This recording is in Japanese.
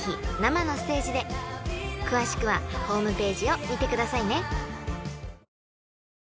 ［詳しくはホームページを見てくださいね］